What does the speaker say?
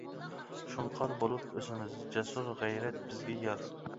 شۇڭقار بولۇپ ئۆسىمىز، جەسۇر غەيرەت بىزگە يار.